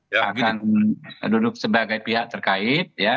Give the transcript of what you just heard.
ya akan duduk sebagai pihak terkait ya